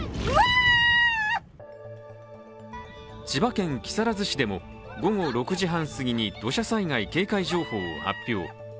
千葉県木更津市でも午後６時半すぎに土砂災害警戒情報を発表。